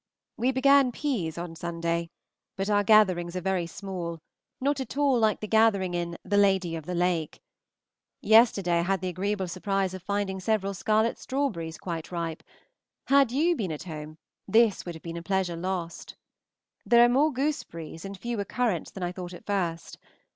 We began pease on Sunday, but our gatherings are very small, not at all like the gathering in the "Lady of the Lake." Yesterday I had the agreeable surprise of finding several scarlet strawberries quite ripe; had you been at home, this would have been a pleasure lost. There are more gooseberries and fewer currants than I thought at first.